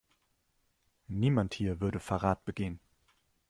Niemand hier würde Verrat begehen.